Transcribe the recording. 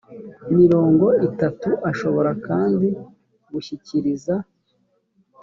mirongo itatu ashobora kandi gushyikiriza